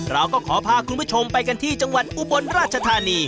เราก็ขอพาคุณผู้ชมไปกันที่จังหวัดอุบลราชธานี